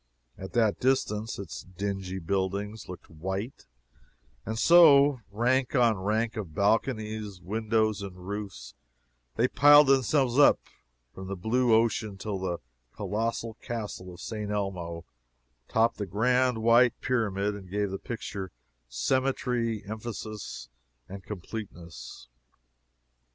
At that distance its dingy buildings looked white and so, rank on rank of balconies, windows and roofs, they piled themselves up from the blue ocean till the colossal castle of St. Elmo topped the grand white pyramid and gave the picture symmetry, emphasis and completeness.